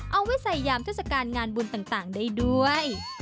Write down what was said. เอาไว้ใส่ยามเทศกาลงานบุญต่างได้ด้วย